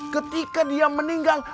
ketika dia meninggal